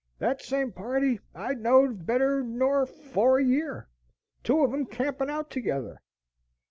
"Thet same party I'd knowed better nor fower year, two on 'em campin' out together.